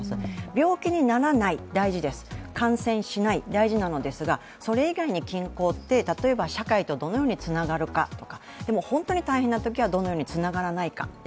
病気にならない、大事です、感染しない、大事なのですが、それ以外に健康って、例えば社会とどのようにつながるかとか、でも本当に大変なときは、どのようにつながらないか。